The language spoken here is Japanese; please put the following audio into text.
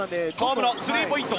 河村、スリーポイント！